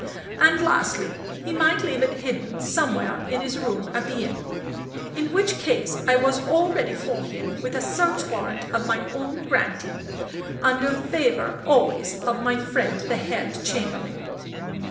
And, lastly, he might leave it hidden somewhere in his room at the inn in which case I was all ready for him with a search warrant of my own granting, under favor always of my friend the head chambermaid.